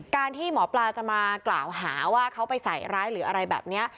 ที่หมอปลาจะมากล่าวหาว่าเขาไปใส่ร้ายหรืออะไรแบบนี้